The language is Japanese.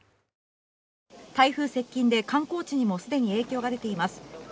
台風接近で観光地にも既に影響が出ています。